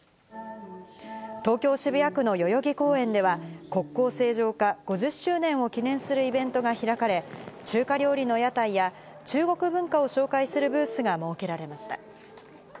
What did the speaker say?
東京・渋谷区の代々木公園では、国交正常化５０周年を記念するイベントが開かれ、中華料理の屋台や、中国文化を紹介するブースが設けられました。